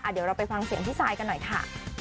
เดี๋ยวเราไปฟังเสียงพี่ซายกันหน่อยค่ะ